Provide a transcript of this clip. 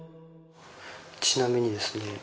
ちなみにですね